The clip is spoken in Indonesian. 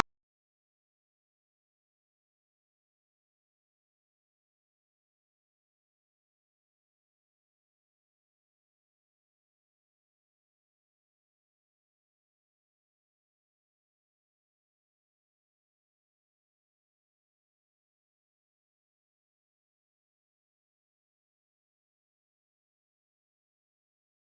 anaknya ke rumah